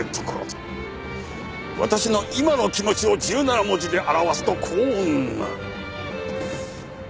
私の今の気持ちを１７文字で表すとこうなる。